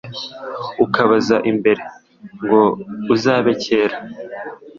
Ukabaza imbere. Ngo uzabe kera,